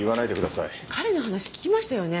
彼の話聞きましたよね？